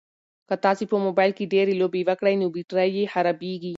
که تاسي په موبایل کې ډېرې لوبې وکړئ نو بېټرۍ یې خرابیږي.